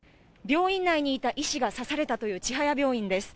病院内にいた医師が刺されたという千早病院です。